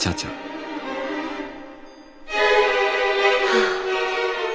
はあ。